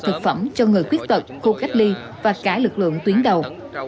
thực phẩm cho người khuyết tật khu cách ly và cả lực lượng tuyến đầu